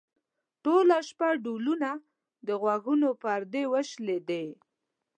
ټوله شپه ډولونه؛ د غوږونو پردې وشلېدې.